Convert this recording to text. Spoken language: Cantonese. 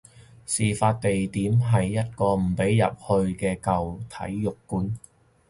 事發地點係一個唔俾入去嘅舊體育館